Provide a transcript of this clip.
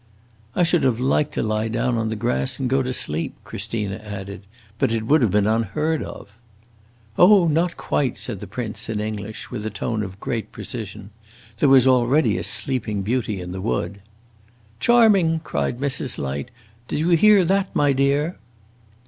"I should have liked to lie down on the grass and go to sleep," Christina added. "But it would have been unheard of." "Oh, not quite," said the Prince, in English, with a tone of great precision. "There was already a Sleeping Beauty in the Wood!" "Charming!" cried Mrs. Light. "Do you hear that, my dear?"